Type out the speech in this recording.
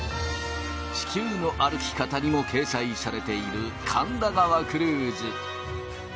『地球の歩き方』にも掲載されている神田川クルーズ。